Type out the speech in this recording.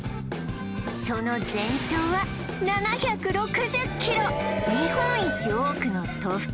その全長は７６０ｋｍ！